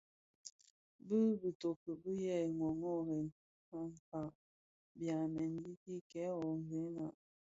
Ti bitoki yi tè woworèn akpaň byamèn yiiki kè worrena,